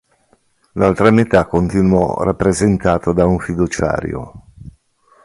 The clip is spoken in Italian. L'altra metà continuò rappresentato da un fiduciario.